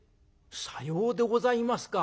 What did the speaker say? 「さようでございますか。